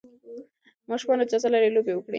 ماشومان اجازه لري لوبې وکړي.